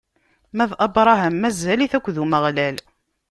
Ma d Abṛaham mazal-it akked Umeɣlal.